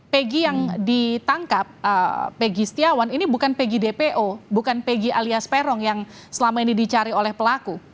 peggy yang ditangkap peggy setiawan ini bukan peggy dpo bukan peggy alias perong yang selama ini dicari oleh pelaku